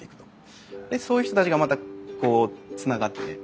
そういう人たちがまたこうつながってね。